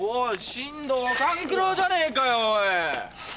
進藤勘九郎じゃねえかよおい。